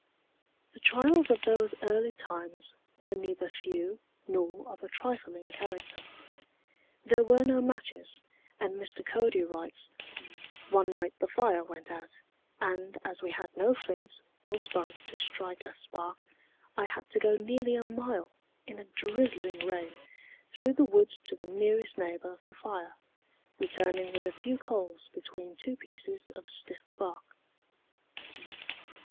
The trials of those early times were neither few nor of a trifling character. There were no matches, and Mr. Cody writes: "One night the fire went out, and as we had no flint or spunk to strike a spark, I had to go nearly a mile, in a drizzling rain, through the woods to the nearest neighbor for fire, returning with a few coals between two pieces of stiff bark."